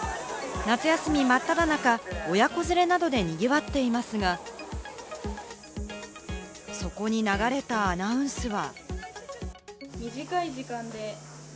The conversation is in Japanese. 夏休み真っ只中、親子連れなどで賑わっていますが、そこに流れたアナウンスは。